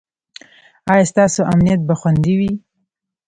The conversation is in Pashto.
ایا ستاسو امنیت به خوندي وي؟